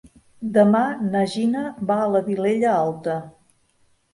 Demà na Gina va a la Vilella Alta.